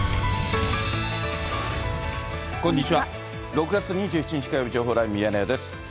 ６月２７日火曜日、情報ライブミヤネ屋です。